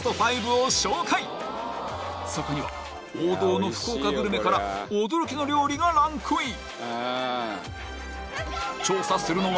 そこには王道の福岡グルメから驚きの料理がランクイン！